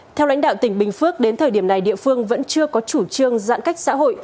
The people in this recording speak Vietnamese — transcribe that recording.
theo lãnh đạo tỉnh bình phước đến thời điểm này địa phương vẫn chưa có chủ trương giãn cách xã hội